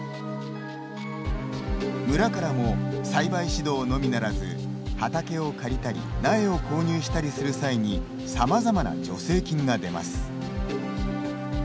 村からも、栽培指導のみならず畑を借りたり苗を購入したりする際にさまざまな助成金が出ます。